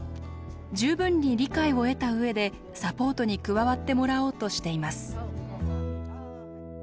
十分に理解を得たうえでサポートに加わってもらおうとしています。